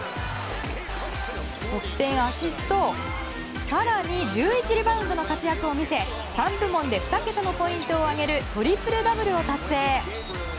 得点、アシスト更に１１リバウンドの活躍を見せ３部門で２桁のポイントをあげるトリプルダブルを達成。